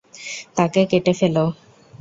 তাকে কেটে ফেলো!